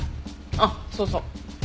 あっそうそう。